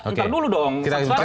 ntar dulu dong